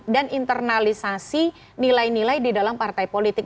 dan internalisasi nilai nilai di dalam partai politik